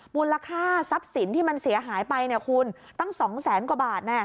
มูลค่าทรัพย์สินที่มันเสียหายไปคุณตั้ง๒แสนกว่าบาท